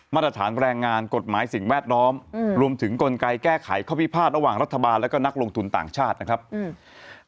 มาตรฐานแรงงานกฎหมายสิ่งแวดล้อมอืมรวมถึงกลไกแก้ไขข้อพิพาทระหว่างรัฐบาลแล้วก็นักลงทุนต่างชาตินะครับอืม